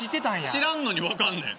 知らんのに分かんねん。